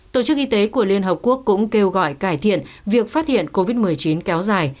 tổ chức y tế của liên hợp quốc cũng kêu gọi cải thiện việc phát hiện covid một mươi chín kéo dài